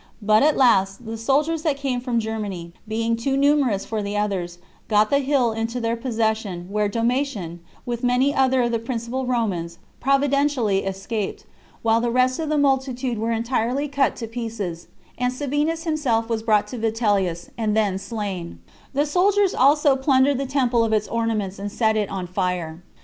But at last, the soldiers that came from Germany, being too numerous for the others, got the hill into their possession, where Domitian, with many other of the principal Romans, providentially escaped, while the rest of the multitude were entirely cut to pieces, and Sabinus himself was brought to Vitellius, and then slain; the soldiers also plundered the temple of its ornaments, and set it on fire.